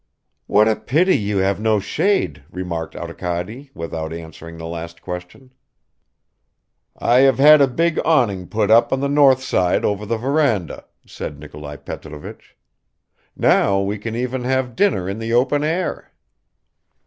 "What a pity you have no shade," remarked Arkady, without answering the last question. "I have had a big awning put up on the north side over the veranda," said Nikolai Petrovich; "now we can even have dinner in the open air."